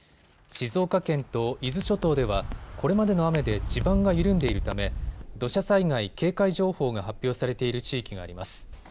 静岡県と伊豆諸島ではこれまでの雨で地盤が緩んでいるため土砂災害警戒情報が発表されている地域があります。